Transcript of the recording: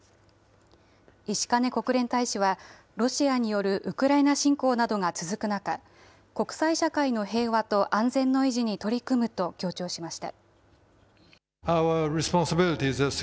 石兼国連大使は、ロシアによるウクライナ侵攻などが続く中、国際社会の平和と安全の維持に取り組むと強調しました。